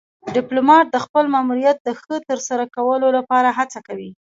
ډيپلومات د خپل ماموریت د ښه ترسره کولو لپاره هڅه کوي.